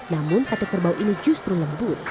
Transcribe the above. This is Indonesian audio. namun sate kerbau ini justru lembut